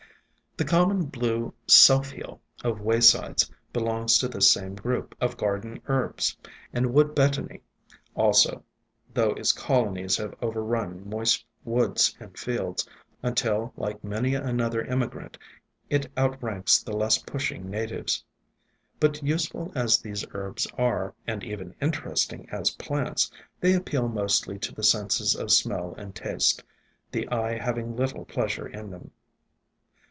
The common blue Self Heal of waysides belongs to this same group of garden herbs, and Wood Betony also, though its colonies have overrun moist woods and fields, until, like many another immi grant, it outranks the less pushing natives. But useful as these herbs are, and even interesting as plants, they appeal mostly to the senses of smell and taste, the eye having little pleasure in them.